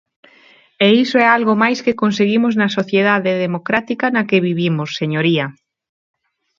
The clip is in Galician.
E iso é algo máis que conseguimos na sociedade democrática na que vivimos, señoría.